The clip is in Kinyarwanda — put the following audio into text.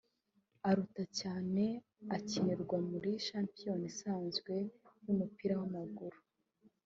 aruta cyane akinirwa muri shampiyona isanzwe y’umupira w’amaguru